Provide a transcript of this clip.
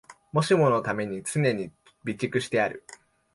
もしものために常に備蓄してある